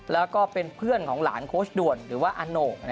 แล้วก็เป็นเพื่อนของหลานโคชด่วนอันน้อง